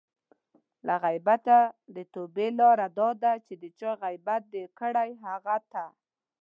له غیبته د توبې لاره دا ده چې د چا غیبت دې کړی؛ هغه ته